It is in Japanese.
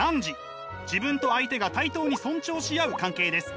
自分と相手が対等に尊重し合う関係です。